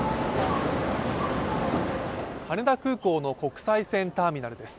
羽田空港の国際線ターミナルです。